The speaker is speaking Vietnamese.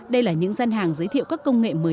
đây là những gian hàng giới thiệu các công nghệ mới